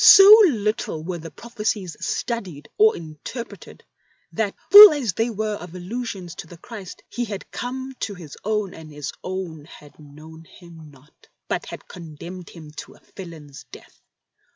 So little were the prophecies studied or interpreted that, full as they were THE OLD LAW OR THE NEW ? 49 of allusions to the Christ, " He had come to His own, and His own had known Him not," but had condemned Him to a felon's death.